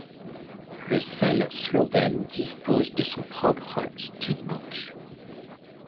Le selle slovène dispose de son propre stud-book.